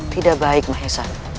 tidak baik mahesa